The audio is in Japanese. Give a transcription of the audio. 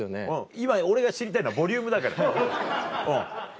今俺が知りたいのはボリュームだからうん。